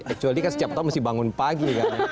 actually kan setiap tahun mesti bangun pagi kan